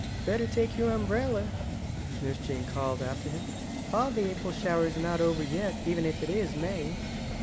"Better take your umbrella," Nurse Jane called after him. "All the April showers are not yet over, even if it is May."